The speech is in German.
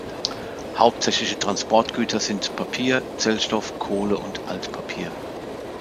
Hauptsächliche Transportgüter sind Papier, Zellstoff, Kohle und Altpapier.